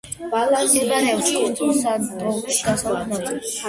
მდებარეობს კუნძულ სან-ტომეს დასავლეთ ნაწილში.